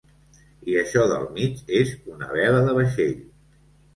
I això del mig és una vela de vaixell.